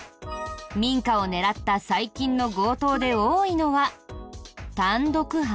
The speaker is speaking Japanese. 民家を狙った最近の強盗で多いのは単独犯？